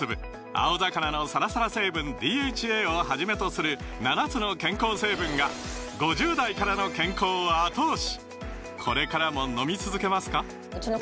青魚のサラサラ成分ＤＨＡをはじめとする７つの健康成分が５０代からの健康を後押し！